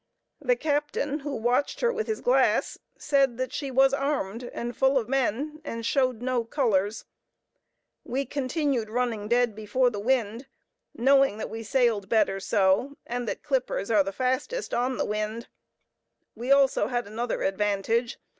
The captain, who watched her with his glass, said that she was armed, and full of men, and showed no colors. We continued running dead before the wind, knowing that we sailed better so, and that clippers are fastest on the wind. We had also another advantage.